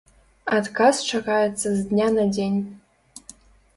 Адказ чакаецца з дня на дзень.